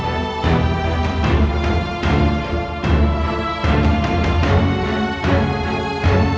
aku tidak berpura pura lihat diri aku mengatakan